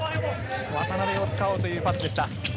渡邊を使おうというパスでした。